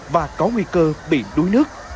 và có nguy cơ bị đuối nước